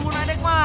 guna enek mah